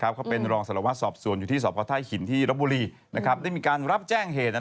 แบบก็อย่าแสระแหน่สิ